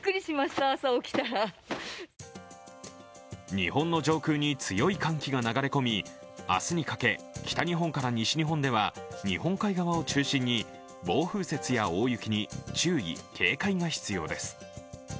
日本の上空に強い寒気が流れ込み明日にかけ、北日本から西日本では日本海側を中心に暴風雪や大雪に注意・警戒が必要です。